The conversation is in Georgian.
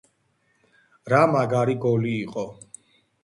რა მაგარი გოლი იყო